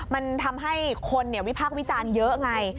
มันทำให้คนวิพากษ์วิจารณ์เยอะไง